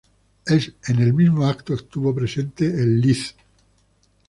En el mismo acto estuvo presente el Lic.